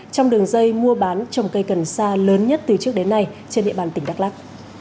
trong đường dây mua bán trồng cây cần sa lớn nhất từ trước đến nay trên địa bàn tỉnh đắk lắc